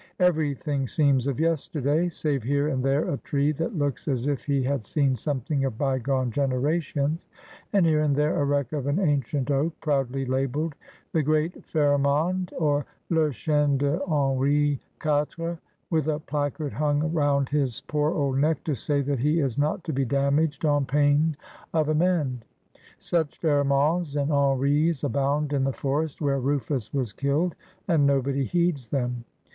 Everything seems of yesterday, save here and there a tree that looks as if he had seen something of bygone generations, and here and there a wreck of an ancient oak, proudly labelled ' The Great Pharamond,' or ' ie Cheae de Henri IV.,' with a placard hung round his poor old neck to say that he is not to be damaged ' on pain of amend.' Such Phara monds and Henris abound in the forest where Ruf us was killed, and nobody heeds them.